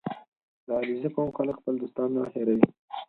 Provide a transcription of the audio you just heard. • د علیزي قوم خلک خپل دوستان نه هېروي.